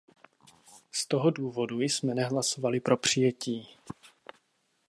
Z toho důvodu jsme nehlasovali pro přijetí.